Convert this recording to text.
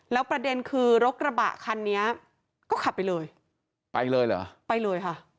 แล้วประเด็นคือรถกระบะคันนี้ก็ขับไปเลยไปเลยเหรอไปเลยค่ะ